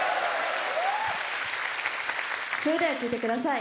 それでは聴いてください。